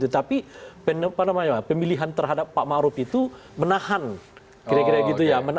tapi pemilihan terhadap pak maruf itu menahan